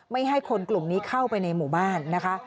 ไม่ให้คนกลุ่มนี้เข้าไปในหมู่บ้านนะคะ